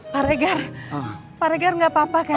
pak regar pak regar gak apa apa kan